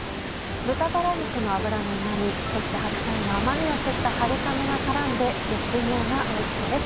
豚バラ肉の脂のうま味そして白菜の甘味を吸った春雨が絡んで絶妙なおいしさです。